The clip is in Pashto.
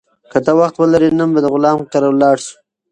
که ته وخت ولرې، نن به د غلام کره لاړ شو.